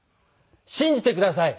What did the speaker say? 信じてください。